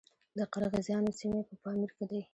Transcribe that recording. د قرغیزانو سیمې په پامیر کې دي